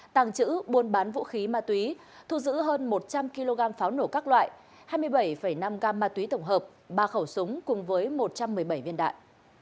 tàng trữ buôn bán vũ khí ma túy thu giữ hơn một trăm linh kg pháo nổ các loại hai mươi bảy năm gam ma túy tổng hợp ba khẩu súng cùng với một trăm một mươi bảy viên đạn